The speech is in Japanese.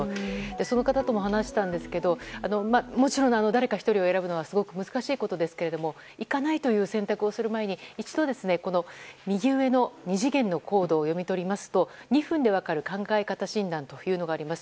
その方とも話したんですがもちろん誰か１人を選ぶのはすごく難しいことですけどもいかないという選択をする前に一度、右上の二次元コードを読み取りますと２分で分かる考え方診断というのがあります。